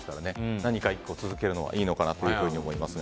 何か１個続けるのはいいのかなと思いますが。